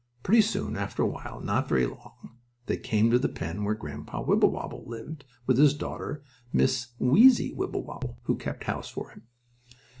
Pretty soon, after awhile, not very long, they came to the pen where Grandpa Wibblewobble lived with his daughter, Miss Weezy Wibblewobble, who kept house for him.